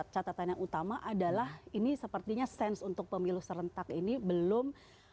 catatan yang utama adalah ini sepertinya sense untuk pemilu serentak ini belum